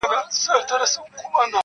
دوی پښتون غزل منلی په جهان دی,